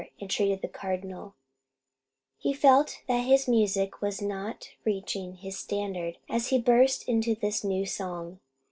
entreated the Cardinal He felt that his music was not reaching his standard as he burst into this new song.